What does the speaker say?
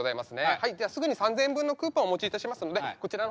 はいではすぐに３，０００円分のクーポンお持ちいたしますのでこちらの方に。